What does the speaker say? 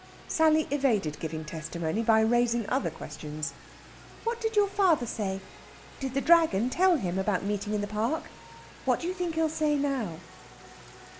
Sally evaded giving testimony by raising other questions: "What did your father say?" "Did the Dragon tell him about the meeting in the park?" "What do you think he'll say now?"